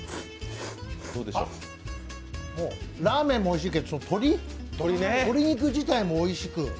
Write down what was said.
ラーメンもおいしいけど鶏肉自体もおいしく。